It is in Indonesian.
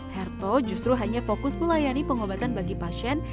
herto justru hanya fokus melayani pengobatan bagi pasien